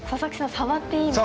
触っていいんですか？